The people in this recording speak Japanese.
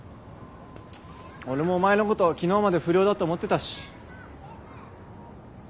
俺もお前のこと昨日まで不良だと思ってたし。